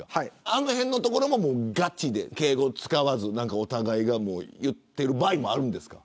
あのへんはガチで敬語を使わずお互いが言っている場合もあるんですか。